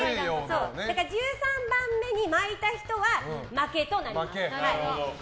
１３番目に巻いた人は負けとなります。